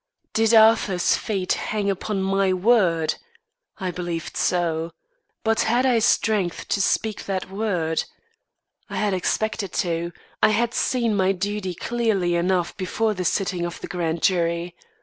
Did Arthur's fate hang upon my word? I believed so. But had I strength to speak that word? I had expected to; I had seen my duty clearly enough before the sitting of the grand jury.